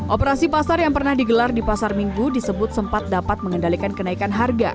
operasi pasar yang pernah digelar di pasar minggu disebut sempat dapat mengendalikan kenaikan harga